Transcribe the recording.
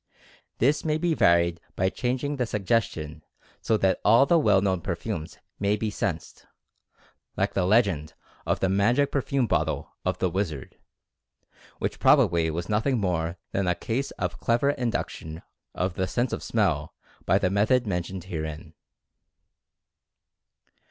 This may be varied by changing the suggestion so that all the well known perfumes may be sensed, like the legend of the magic perfume bottle of the wizard, which probably was nothing more than a case of clever induction of the sense of smell by the method mentioned herein.